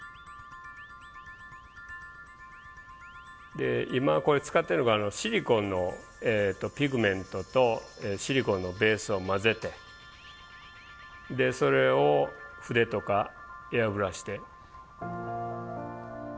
で今これ使ってるのがシリコンのピグメントとシリコンのベースを混ぜてでそれを筆とかエアブラシで。